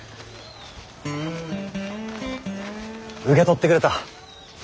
受け取ってくれた。